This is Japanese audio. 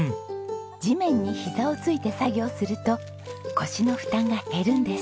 地面にひざをついて作業をすると腰の負担が減るんです。